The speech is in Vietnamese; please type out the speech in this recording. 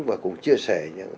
và cùng chia sẻ